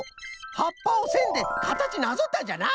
はっぱをせんでかたちなぞったんじゃな！